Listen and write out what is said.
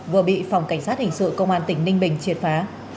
vừa bị phòng cảnh sát hình sự công an tỉnh ninh bình triệt phá